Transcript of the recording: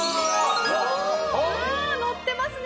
のってますね！